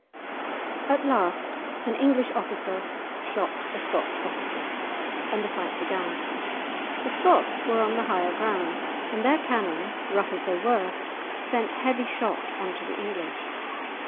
At last an English officer shot a Scotch officer, and the fight began. The Scots were on the higher ground, and their cannon, rough as they were, sent heavy shot on to the English.